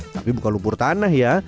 tapi bukan lumpur tanah ya